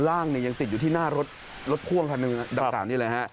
ร่างนี่ยังติดอยู่ที่หน้ารถรถพ่วงค่ะดับต่างนี่เลยฮะ